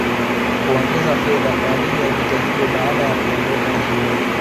kuongeza fedha kwa ajili ya vita hivyo Baada ya kuondoka wajerumani